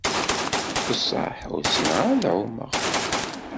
Besseḥ ur ssineγ ara ad εummeγ.